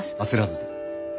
焦らずに。